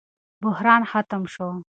بحران ختم شو.